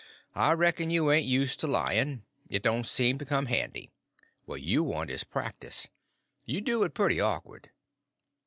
I reckon you ain't used to lying, it don't seem to come handy; what you want is practice. You do it pretty awkward."